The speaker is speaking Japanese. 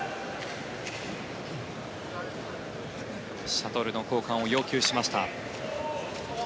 シャトルの交換を要求しました。